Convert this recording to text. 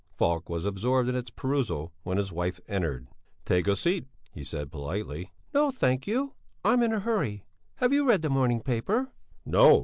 Falk was absorbed in its perusal when his wife entered. "Take a seat," he said, politely. "No, thank you; I'm in a hurry. Have you read the morning paper?" "No!"